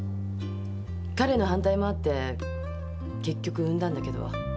彼の反対もあって結局産んだんだけど。